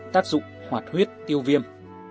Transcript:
tác dụng hoạt huyết tiêu viêm